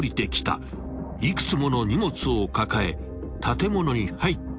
［幾つもの荷物を抱え建物に入っていった男］